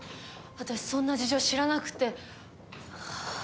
私そんな事情知らなくて。